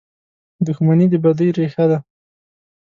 • دښمني د بدۍ ریښه ده.